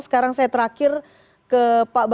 sekarang saya terakhir ke pak bambang